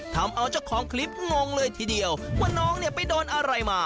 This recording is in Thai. ทำเอาเจ้าของคลิปงงเลยทีเดียวว่าน้องเนี่ยไปโดนอะไรมา